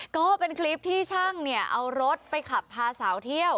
ก็เป็นคลิปที่ช่างเนี่ยเอารถไปขับพาสาวเที่ยว